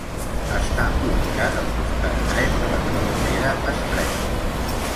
Està ubicat al costat dret de la travessera Estreta.